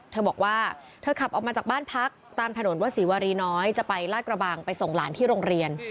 เธอบอกว่าเธอขับออกมาจากบ้านพักตามถนนวศรีวารีน้อยจะไปลาดกระบังไปส่งหลานที่โรงเรียน